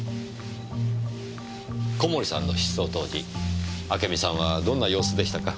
小森さんの失踪当時あけみさんはどんな様子でしたか？